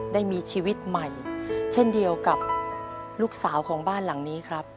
ได้มีชีวิตใหม่เช่นเดียวกับลูกสาวของบ้านหลังนี้ครับ